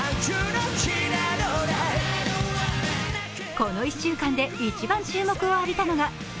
この１週間で一番注目されたのはＢ